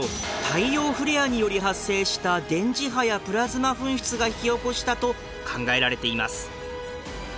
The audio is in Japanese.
太陽フレアにより発生した電磁波やプラズマ噴出が引き起こしたと考えられています。